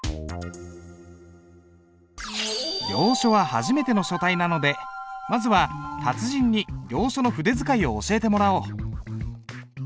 行書は初めての書体なのでまずは達人に行書の筆使いを教えてもらおう。